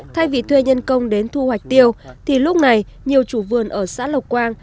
thay vì thuê nhân công đến thu hoạch tiêu thì lúc này nhiều chủ vườn ở xã lộc quang